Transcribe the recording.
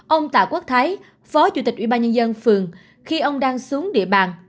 ông tạ quốc thái phó chủ tịch ủy ban nhân dân phường khi ông đang xuống địa bàn